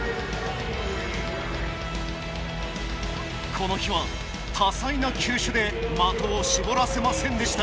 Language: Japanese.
この日は多彩な球種で的を絞らせませんでした。